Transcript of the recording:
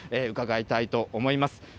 伺いたいと思います。